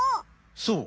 そう。